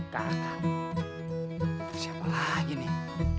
kakak siapa lagi nih